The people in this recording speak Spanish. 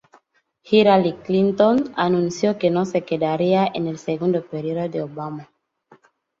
Hillary Clinton anunció que no se quedaría en el segundo periodo de Obama.